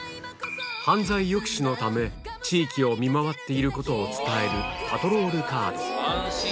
犯罪抑止のため、地域を見回っていることを伝えるパトロールカード。